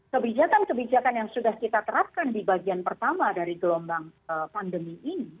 kebijakan kebijakan yang sudah kita terapkan di bagian pertama dari gelombang pandemi ini